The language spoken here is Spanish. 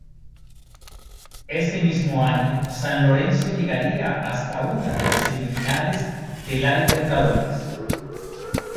Ese mismo año, San Lorenzo llegaría hasta una de las semifinales de la Libertadores.